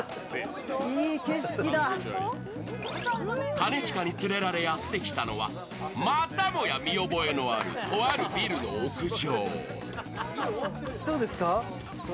兼近に連れられやってきたのはまたもや見覚えのあるとあるビルの屋上。